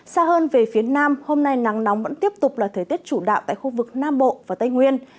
xa hơn về phía nam hôm nay nắng nóng vẫn tiếp tục là thời tiết chủ đạo tại khu vực nam bộ và tây nguyên